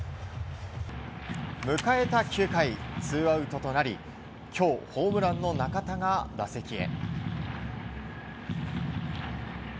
迎えた９回ツーアウトとなり今日ホームランの中田が打席へ。